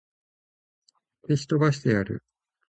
消し飛ばしてやる!